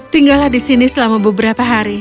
tinggallah di sini selama beberapa hari